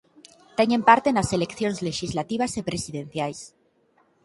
Teñen parte nas eleccións lexislativas e presidenciais.